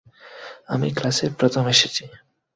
আমি ক্লাসে প্রথম এসেছি।